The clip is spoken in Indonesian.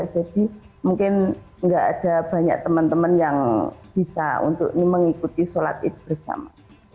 jadi mungkin nggak ada banyak teman teman yang bisa untuk mengikuti sholat id bersama